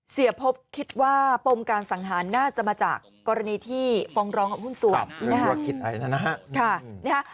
เสียบพบคิดว่าปมการสังหารน่าจะมาจากกรณีที่ฟ้องร้องของหุ้นสวน